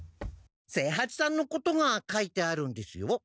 清八さんのことが書いてあるんですよ。